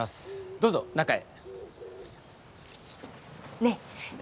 どうぞ中へねっう